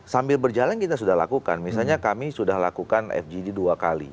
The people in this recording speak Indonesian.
sambil berjalan kita sudah lakukan misalnya kami sudah lakukan fgd dua kali